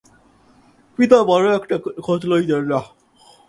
পিতা বড়ো একটা খোঁজ লইতেন না।